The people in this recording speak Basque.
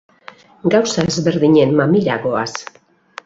Gauza ezberdinen mamira goaz.